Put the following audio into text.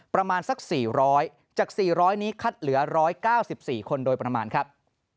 ประมาณสัก๔๐๐จาก๔๐๐นี้คัดเหลือ๑๙๔คนโดยประมาณครับ